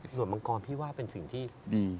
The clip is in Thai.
ส่วนมังกรพี่ว่าเป็นสิ่งที่ดี